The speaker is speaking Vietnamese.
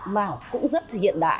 mà cũng rất hiện đại